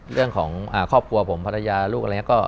เรื่องของครอบครัวผมภรรยาลูกอะไรอย่างนี้